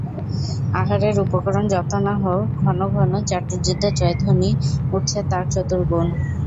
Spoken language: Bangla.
আহারের উপকরণ যত না হোক, ঘন ঘন চাটুজ্যেদের জয়ধ্বনি উঠছে তার চতুর্গুণ।